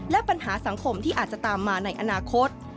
และปัญหาสังคมที่อาจจะตามมาในอนาคต